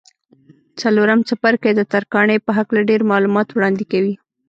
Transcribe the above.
څلورم څپرکی د ترکاڼۍ په هکله ډېر معلومات وړاندې کوي.